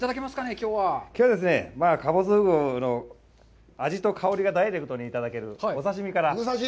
きょうはですね、かぼすフグの味と香りがダイレクトにいただける、お刺身から。